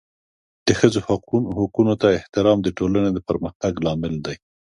د ښځو حقونو ته احترام د ټولنې د پرمختګ لامل دی.